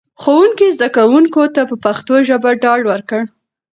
ښوونکي زده کوونکو ته په پښتو ژبه ډاډ ورکړ.